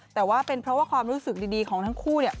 แต่ว่าเป็นเพราะว่าความรู้สึกดีของทั้งคู่เนี่ย